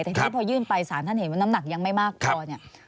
แต่พอยื่นไปสารท่านเห็นน้ำหนักยังไม่มากกว่านี้